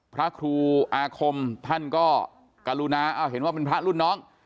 พระครูอาคมท่านก็กรุณาเห็นว่าเป็นพระรุ่นน้อง